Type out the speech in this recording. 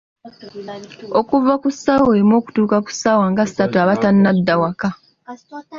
Okuva ku ssaawa emu okutuuka ku ssaawa nga ssatu aba tannadda waka.